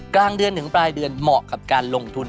กลางเดือนถึงปลายเดือนเหมาะกับการลงทุน